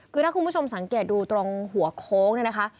คือถ้าคุณผู้ชมสังเกตดูตรงหัวโค้งเนี่ยนะคะ